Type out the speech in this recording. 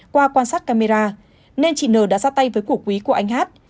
qua quan sát camera nên chị n đã ra tay với cổ quý của anh h t